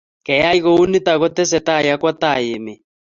Keyai kounito kotesetai akwo tai emet